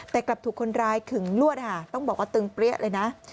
แต่กลับถูกคนร้ายขึงลวดค่ะต้องบอกว่าตึงเปรี้ยเลยนะ